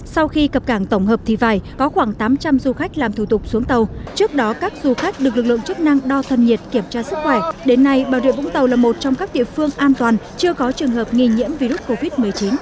sau khi cập cảng tổng hợp thị vải có khoảng tám trăm linh du khách làm thủ tục xuống tàu trước đó các du khách được lực lượng chức năng đo thân nhiệt kiểm tra sức khỏe đến nay bà rịa vũng tàu là một trong các địa phương an toàn chưa có trường hợp nghi nhiễm virus covid một mươi chín